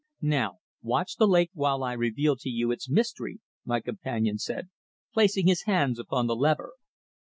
"Now, watch the lake while I reveal to you its mystery," my companion said, placing his hands upon the lever.